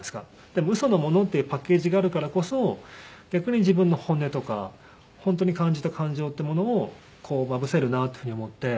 でもウソのものっていうパッケージがあるからこそ逆に自分の本音とか本当に感じた感情っていうものをまぶせるなっていうふうに思って。